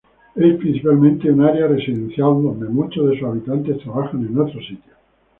Es principalmente un área residencial, donde muchos de sus habitantes trabajan en otros sitios.